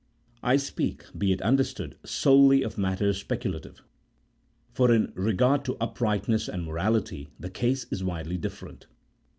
(I speak, be it understood, solely of matters speculative, for in regard to uprightness and mora lity the case is widely different.)